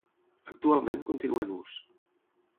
Actualment continua en ús.